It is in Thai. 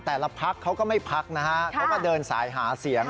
แต่ละพักเขาก็ไม่พักนะฮะเขาก็เดินสายหาเสียง